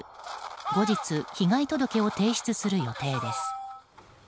後日、被害届を提出する予定です。